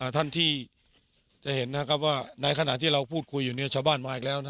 ท่านที่จะเห็นนะครับว่าในขณะที่เราพูดคุยอยู่ชาวบ้านมาอีกแล้วนะ